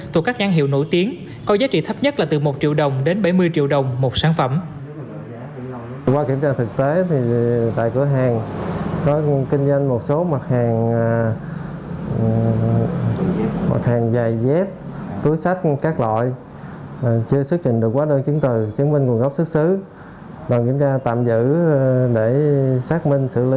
thuộc các nhãn hiệu nổi tiếng coi giá trị thấp nhất là từ một triệu đồng đến bảy mươi triệu đồng một sản phẩm